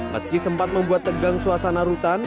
meski sempat membuat tegang suasana rutan